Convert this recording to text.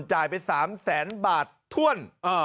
จ่ายไป๓แสนบาทถ้วน